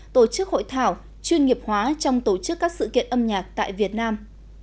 tổ chức hội thảo chuyên nghiệp hóa trong tổ chức các sự kiện âm nhạc tại việt nam